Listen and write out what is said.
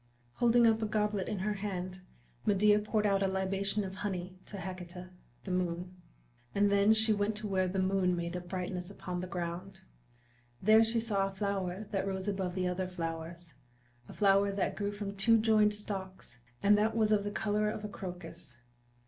Holding up a goblet in her hand Medea poured out a libation of honey to Hecate, the Moon. And then she went to where the moon made a brightness upon the ground. There she saw a flower that rose above the other flowers a flower that grew from two joined stalks, and that was of the color of a crocus.